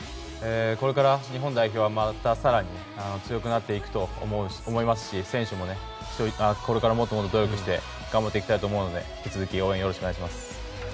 これから日本代表は、また更に強くなっていくと思いますし選手もこれからもっともっと努力して頑張っていきたいと思うので引き続き応援よろしくお願いします。